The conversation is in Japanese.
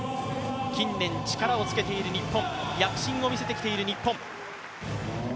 近年、力をつけている日本躍進を見せてきている日本。